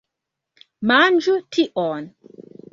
Manĝu tion!